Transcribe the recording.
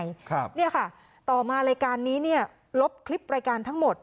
นี่ค่ะต่อมารายการนี้ลบคลิปรายการทั้งหมด